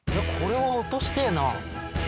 これは落としてえな。